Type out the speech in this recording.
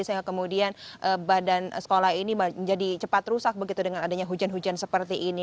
sehingga kemudian badan sekolah ini menjadi cepat rusak begitu dengan adanya hujan hujan seperti ini